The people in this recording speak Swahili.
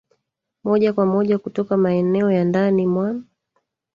moja kwa moja kutoka maeneo ya ndani mwa